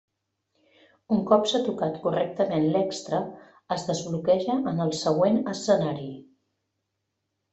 Un cop s'ha tocat correctament l'extra, es desbloqueja en següent escenari.